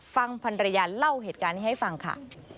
ฟังพันรยาเล่าเหตุการณ์นี้ให้ฟังค่ะ